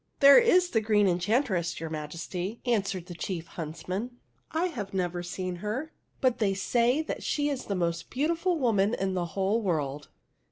"There is the Green Enchantress, your Majesty," answered the chief huntsman. " I have never seen her, but they say she is the most beautiful woman in the whole world."